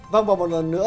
vâng và một lần nữa